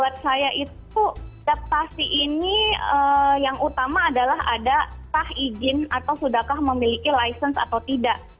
buat saya itu adaptasi ini yang utama adalah ada tah izin atau sudahkah memiliki license atau tidak